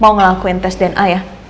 mau ngelakuin tes dna ya